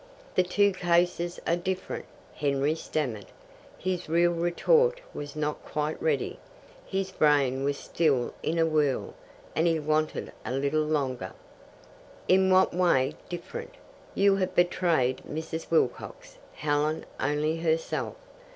'" "The two cases are different," Henry stammered. His real retort was not quite ready. His brain was still in a whirl, and he wanted a little longer. "In what way different? You have betrayed Mrs. Wilcox, Helen only herself.